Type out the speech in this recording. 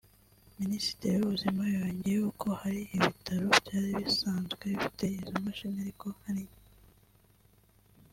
Minisitiri w’Ubuzima yongeyeho ko hari ibitaro byari bisanzwe bifite izo mashini ariko ari nke